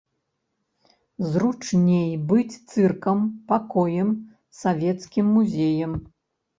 Зручней быць цыркам, пакоем, савецкім музеем.